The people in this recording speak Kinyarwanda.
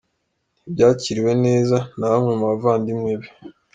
Ntibyakiriwe neza na bamwe mu bavandimwe be.